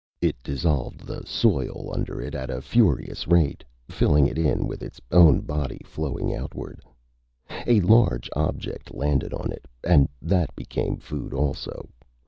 It dissolved the soil under it at a furious rate, filling it in with its own body, flowing outward. A large object landed on it, and that became food also.